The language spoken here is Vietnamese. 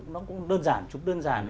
nó cũng đơn giản chụp đơn giản